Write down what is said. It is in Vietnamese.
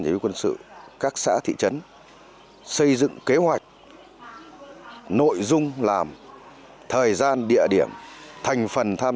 chỉ huy quân sự các xã thị trấn xây dựng kế hoạch nội dung làm thời gian địa điểm thành phần tham